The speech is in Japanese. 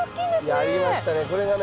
やりましたね。